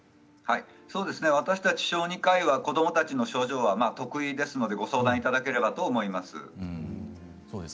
私たち小児科医は子どもたちの症状は得意ですから相談いただければと思います。